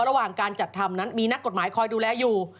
ระหว่างการจัดทำนั้นมีนักกฎหมายคอยดูแลอยู่